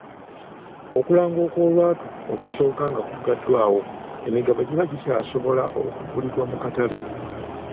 Okulanga okw'olwatu okusooka nga kuggaddwawo emigabo giba gikyasobola okugulirwa mu katale.